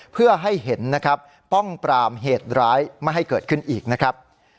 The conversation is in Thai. เพื่อให้เห็นนะครับป้องปรามเหตุร้ายไม่ให้เกิดขึ้นอีกนะครับ